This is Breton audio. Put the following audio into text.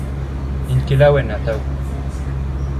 N'int ket laouen, atav.